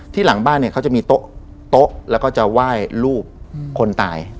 หลังบ้านเนี่ยเขาจะมีโต๊ะแล้วก็จะไหว้รูปคนตาย